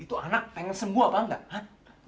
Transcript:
itu anak pengen sembuh paham nggak